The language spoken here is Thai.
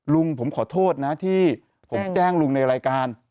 ลุงผมขอโทษนะที่ผมแจ้งลุงในรายการ